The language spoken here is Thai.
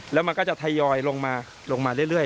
แล้วมันก็จะทยอยลงมาลงมาเรื่อย